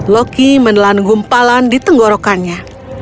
loki menelan gumpalan di tenggorokannya